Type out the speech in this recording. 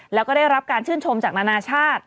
แล้วก็ได้รับการชื่นชมจากนานาชาติ